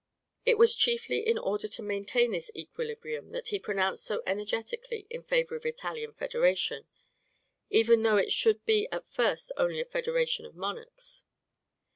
It was chiefly in order to maintain this equilibrium that he pronounced so energetically in favor of Italian federation, even though it should be at first only a federation of monarchs.